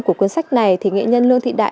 của cuốn sách này thì nghệ nhân lương thị đại